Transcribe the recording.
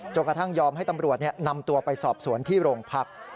กระทั่งยอมให้ตำรวจนำตัวไปสอบสวนที่โรงพัก